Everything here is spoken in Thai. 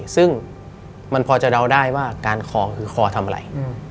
ซึ่งมันพอจะเดาได้ว่าการคอคือคอทำอะไร